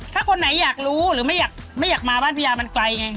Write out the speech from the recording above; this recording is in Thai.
ถ้าคนไหนอยากรู้หรือไม่อยากมาบ้านพี่ยามันไกลไง